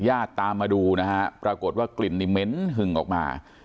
ตามมาดูนะฮะปรากฏว่ากลิ่นนี่เม้นหึงออกมา